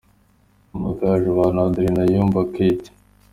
Amagaju: Bantu Adrien na Yumba Kaite.